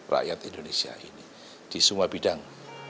rakyat indonesia ini di semua bidang